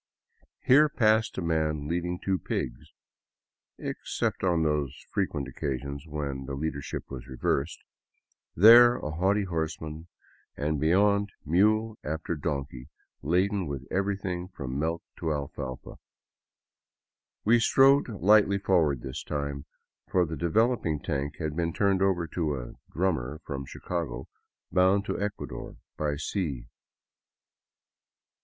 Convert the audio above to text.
Here passed a man leading two pigs — except on those fre quent occasions when the leadership was reversed — there a haughty horseman, and beyond, mule after donkey laden with everything from milk to alfalfa. We strode lightly forward this time, for the develop ing tank had been turned over to a '' drummer " from Chicago, bound to Ecuador by sea.